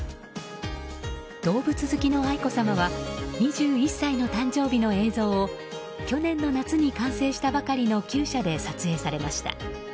動物好きの愛子さまは２１歳の誕生日の映像を去年の夏に完成したばかりの厩舎で撮影されました。